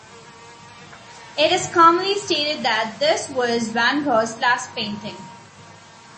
It is commonly stated that this was van Gogh's last painting.